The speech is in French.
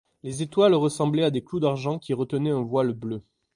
Les étoiles ressemblaient à des clous d’argent qui retenaient un voile bleu.